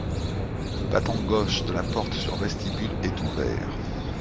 Le battant gauche de la porte sur vestibule est ouvert.